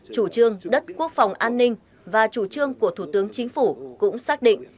chủ trương đất quốc phòng an ninh và chủ trương của thủ tướng chính phủ cũng xác định